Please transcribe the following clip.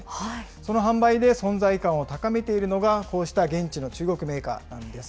その販売で存在感を高めているのが、こうした現地の中国メーカーなんです。